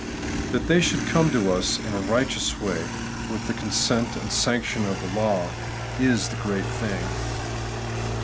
That they should come to us in a righteous way, with the consent and sanction of law, is the great thing.